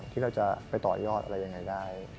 ที่เราจะไปต่อยอดอะไรยังไงได้